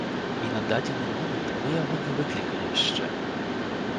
І на дадзены момант мы яго не выклікалі яшчэ.